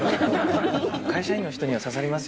会社員の人には刺さりますよ